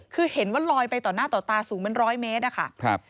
คือเห็นว่าลอยไปต่อหน้าต่อตาสูงเป็นร้อยเมตรอะค่ะ